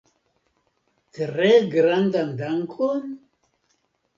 Tre grandan dankon?